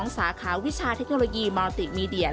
สาขาวิชาเทคโนโลยีมอลติกมีเดีย